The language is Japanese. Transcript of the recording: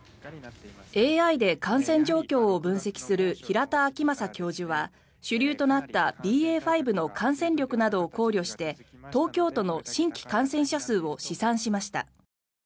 ＡＩで感染状況を分析する平田晃正教授は主流となったＢＡ．５の感染力などを考慮して東京都の新規感染者数を試算しました。